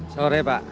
selamat sore pak